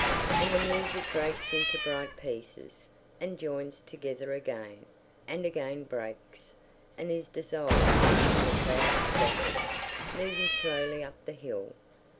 And the music breaks into bright pieces, and joins together again, and again breaks, and is dissolved, and the crowd scatters, moving slowly up the hill.